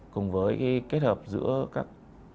cùng với cái kết hợp giữa các